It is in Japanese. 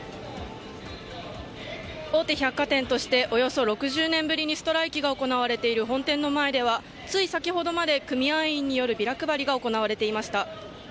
大手百貨店としておよそ６０年ぶりにストライキが行われている本店の前では、つい先ほどまで組合員によるビラ配りが行われていました。